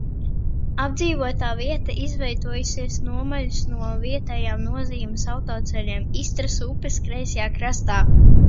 Apdzīvotā vieta izvietojusies nomaļus no vietējas nozīmes autoceļiem, Istras upes kreisajā krastā.